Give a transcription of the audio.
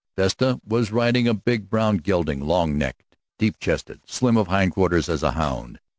Vesta was riding a big brown gelding, long necked, deep chested, slim of hindquarters as a hound.